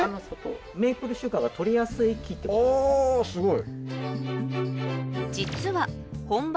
あすごい！